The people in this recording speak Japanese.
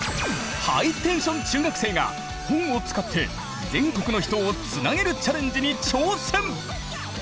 ハイテンション中学生が本を使って全国の人をつなげるチャレンジに挑戦！